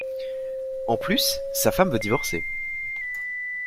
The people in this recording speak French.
En plus, sa femme veut divorcer.